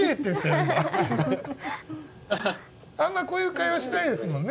あんまこういう会話しないですもんね。